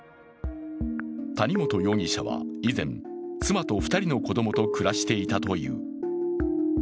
谷本容疑者は以前、妻と２人の子供と暮らしていたという。